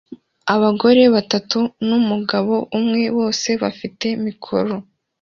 Umugore batatu numugabo umwe bose bafite mikoro